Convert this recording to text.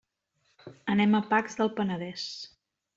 Anem a Pacs del Penedès.